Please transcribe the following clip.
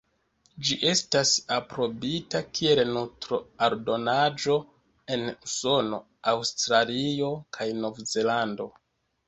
Ĝi estas aprobita kiel nutro-aldonaĵo en Usono, Aŭstralio kaj Nov-Zelando.